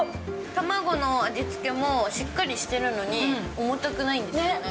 卵の味付けもしっかりしてるのに、重たくないんですよね。